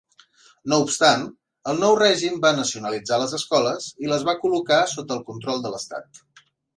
No obstant, el nou règim va nacionalitzar les escoles i les va col·locar sota el control de l'estat.